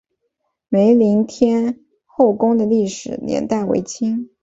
梅林天后宫的历史年代为清。